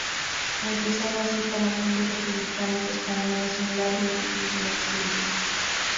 Empezaba así para muchos republicanos españoles un largo y difícil exilio.